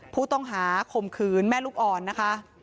ผู้ต้องหาขมขืนแม่ลูกอ่อนนะคะ